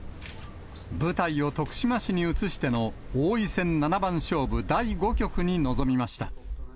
舞台を徳島市に移しての、王位戦七番勝負第５局に臨みました。